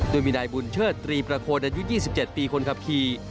โดยมีนายบุญเชิดตรีประโคนอายุ๒๗ปีคนขับขี่